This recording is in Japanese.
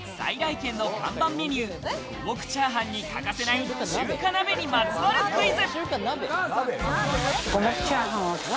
軒の看板メニュー、五目チャーハンに欠かせない中華鍋にまつわるクイズ。